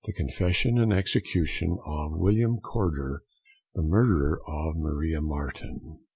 CONFESSION AND EXECUTION OF WILLIAM CORDER, THE MURDERER OF MARIA MARTEN.